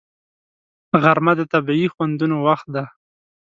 غرمه د طبیعي خوندونو وخت دی